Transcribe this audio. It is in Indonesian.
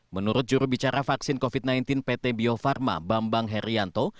menurut jurubicara vaksin covid sembilan belas pt bio farma bambang herianto